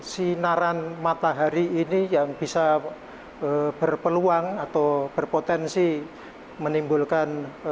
sinaran matahari ini yang bisa berpeluang atau berpotensi menimbulkan